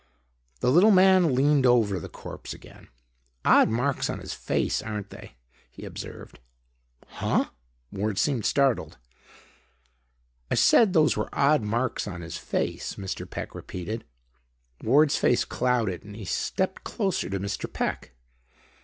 The little man leaned over the corpse again. "Odd marks on his face, aren't they?" he observed. "Huh?" Ward seemed startled. "I said those were odd marks on his face," Mr. Peck repeated. Ward's face clouded and he stepped closer to Mr. Peck.